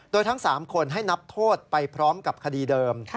โดยทั้ง๓คนให้นับโทษไปพร้อมกับคดีเดิม